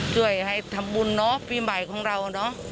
ช่วยให้ทำบุญปีใหม่ของเรา